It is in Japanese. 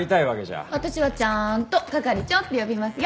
私はちゃんと係長って呼びますよ。